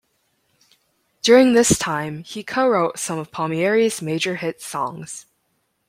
During this time he co-wrote some of Palmieri's major hit songs.